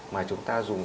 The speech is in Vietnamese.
mà chúng ta dùng